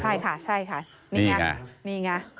ใช่ค่ะนี่ไง